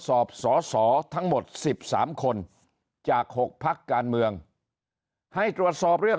สอบสอสอทั้งหมด๑๓คนจาก๖พักการเมืองให้ตรวจสอบเรื่อง